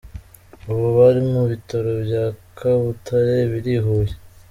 Ubu bari mu bitaro bya Kabutare biri i Huye.